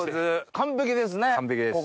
完璧です。